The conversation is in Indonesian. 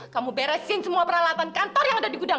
kamu beresin semua peralatan kantor yang ada di gudang